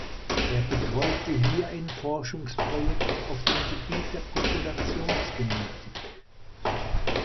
Er betreute hier ein Forschungsprojekt auf dem Gebiet der Populationsgenetik.